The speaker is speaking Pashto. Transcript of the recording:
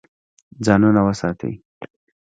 ځانونه وساتئ.